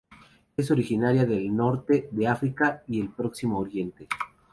Es originaria del Norte de África y el Próximo Oriente.